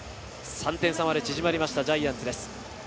３点差まで縮まりました、ジャイアンツです。